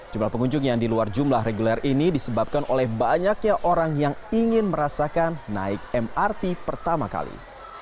jumlah pengunjung yang di luar jumlah reguler ini disebabkan oleh banyaknya orang yang ingin merasakan naik mrt pertama kali